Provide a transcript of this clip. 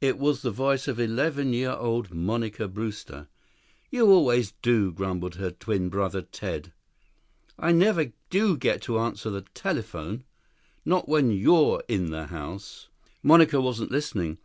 It was the voice of eleven year old Monica Brewster. "You always do," grumbled her twin brother Ted. "I never do get to answer the telephone. Not when you're in the house." 6 Monica wasn't listening.